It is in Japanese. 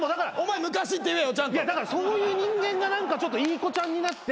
そういう人間が何かちょっといい子ちゃんになって。